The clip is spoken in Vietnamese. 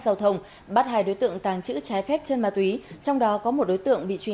giao thông bắt hai đối tượng tàng trữ trái phép chân ma túy trong đó có một đối tượng bị truy